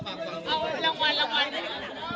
ได้แล้วได้แล้ว